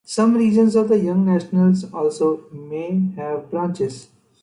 Some regions of the Young Nationals also may have branches.